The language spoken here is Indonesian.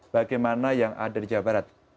bagaimana yang ada di jawa barat